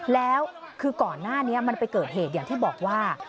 แล้วคือก่อนหน้านี้มันไปเกิดเหตุอย่างที่บอกว่า